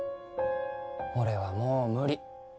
俺はもう無理